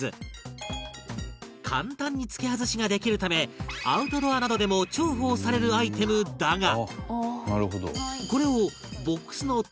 簡単に付け外しができるためアウトドアなどでも重宝されるアイテムだが